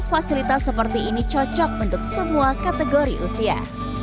fasilitas seperti ini cocok untuk semua kategori usia